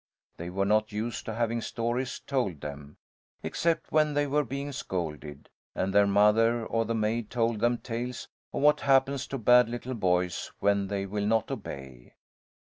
They were not used to having stories told them, except when they were being scolded, and their mother or the maid told them tales of what happens to bad little boys when they will not obey.